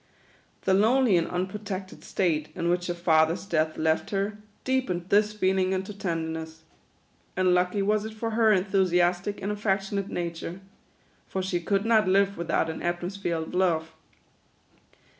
The lonely and unprotected state in which her father's death left her, deepened this feeling into tenderness. And lucky was it for her enthusiastic and affectionate nature ; for she could not live without an atmosphere of love.